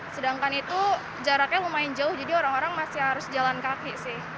sedangkan itu jaraknya lumayan jauh jadi orang orang masih harus jalan kaki sih